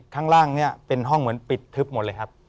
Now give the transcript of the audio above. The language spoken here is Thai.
ข้างล่างเนี่ยเป็นห้องเหมือนปิดทึบหมดเลยครับ